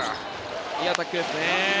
いいアタックですね。